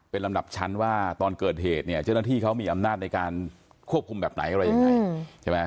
เป็นลำดับชั้นว่าตอนเกิดเหตุเนี่ยเจ้าหน้าที่เขามีอำนาจในการควบคุมแบบไหนอะไรยังไงใช่ไหม